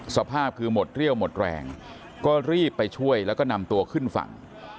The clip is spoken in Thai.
สภาพคือหมดเรี่ยวหมดแรงก็รีบไปช่วยแล้วก็นำตัวขึ้นฝั่ง